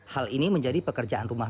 hal ini menjadi pekerjaan rumah